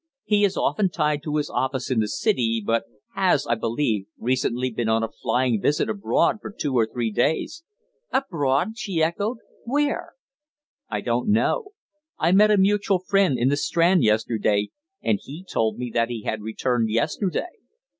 He is often tied to his office in the City, but has, I believe, recently been on a flying visit abroad for two or three days." "Abroad!" she echoed. "Where?" "I don't know. I met a mutual friend in the Strand yesterday, and he told me that he had returned yesterday."